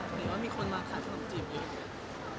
หรือว่ามีคนมาขาดความจีบอยู่ดีกว่า